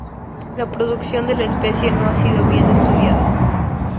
La reproducción de la especie no ha sido bien estudiada.